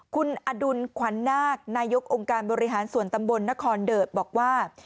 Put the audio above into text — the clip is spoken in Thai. คุณอดุลขวัญนาคนายกองค์การบริหารส่วนตำบลนครเดิดบอกว่า